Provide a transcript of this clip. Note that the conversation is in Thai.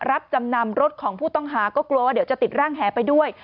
รับจำนำรถของผู้ต้องหาก็กลัวว่าเดี๋ยวจะติดร่างแหไปด้วย